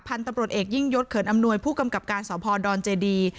พันธุ์ตำรวจเอกยิ่งยศเขินอำนวยผู้กำกับการสพดอนเจดี